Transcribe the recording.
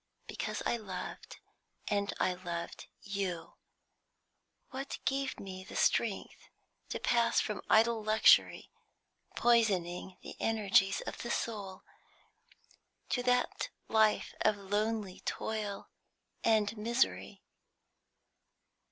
Because I loved, and loved you. What gave me the strength to pass from idle luxury, poisoning the energies of the soul, to that life of lonely toil and misery?